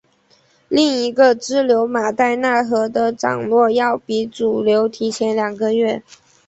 另一个支流马代腊河的涨落要比主流提前两个月。